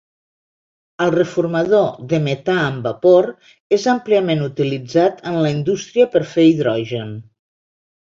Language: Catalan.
El reformador de metà amb vapor és àmpliament utilitzat en la indústria per fer hidrogen.